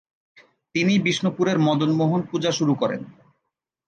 তিনি বিষ্ণুপুরের মদন মোহন পূজা শুরু করেন।